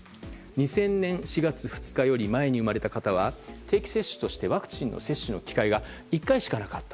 ２０００年４月２日より前に生まれた方は定期接種としてワクチンの接種の機会が１回しかなかった。